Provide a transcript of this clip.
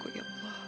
lo udah ngajarowana